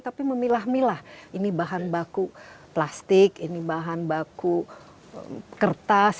tapi memilah milah ini bahan baku plastik ini bahan baku kertas